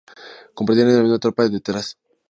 El compartimiento de la tropa está detrás.